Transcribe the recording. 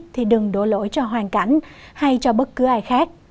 thì đừng đổ lỗi cho hoàn cảnh hay cho bất cứ ai khác